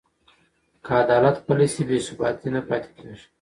که عدالت پلی شي، بې ثباتي نه پاتې کېږي.